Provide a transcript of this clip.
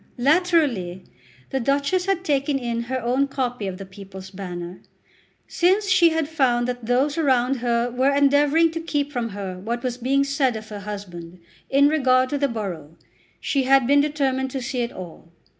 Latterly the Duchess had taken in her own copy of the "People's Banner." Since she had found that those around her were endeavouring to keep from her what was being said of her husband in regard to the borough, she had been determined to see it all.